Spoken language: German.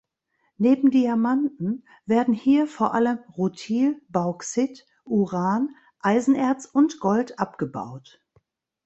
Neben Diamanten werden hier vor allem Rutil, Bauxit, Uran, Eisenerz und Gold abgebaut.